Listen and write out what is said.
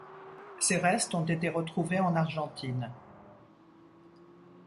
Ses restes ont été retrouvés en Argentine.